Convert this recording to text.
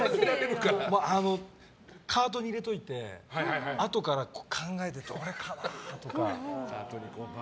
カートに入れておいてあとから考えてどれかなとか。